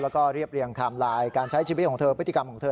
แล้วก็เรียบเรียงไทม์ไลน์การใช้ชีวิตของเธอพฤติกรรมของเธอ